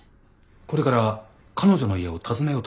これから彼女の家を訪ねようと思うんですが。